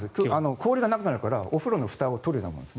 氷がなくなるからお風呂のふたを取るようなものです。